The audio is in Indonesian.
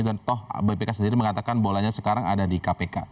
dan toh bpk sendiri mengatakan bolanya sekarang ada di kpk